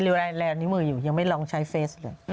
พี่ใช้แลนท์มืออยู่ยังไม่ลองใช้เฟสส์เลย